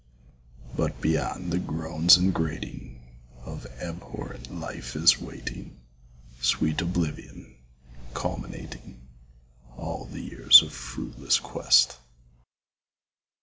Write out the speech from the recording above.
But beyond the groans and grating Of abhorrent Life, is waiting Sweet Oblivion, culminating All the years of fruitless quest.